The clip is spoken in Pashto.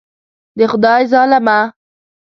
د خدای ظالمه.